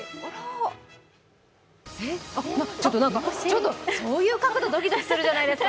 ちょっと、そういう角度ドキドキするじゃないですか。